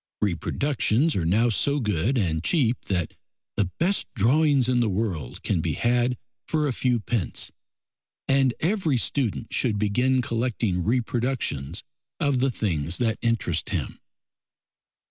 Reproductions are now so good and cheap that the best drawings in the world can be had for a few pence, and every student should begin collecting reproductions of the things that interest him.